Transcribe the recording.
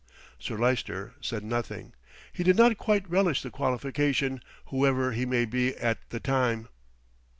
"' Sir Lyster said nothing. He did not quite relish the qualification "whoever he may be at the time."